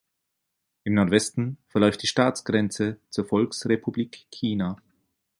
Im Nordwesten verläuft die Staatsgrenze zur Volksrepublik China.